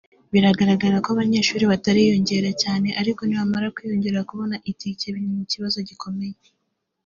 biragaragara ko abanyeshuri batariyongera cyane ariko nibamara kwiyongera kubona itiki ni ikibazo gikomeye cyane”